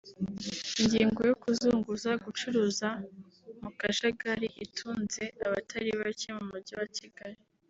Ingingo yo kuzunguza/gucuruza mu kajagari itunze abatari bake mu mujyi wa Kigali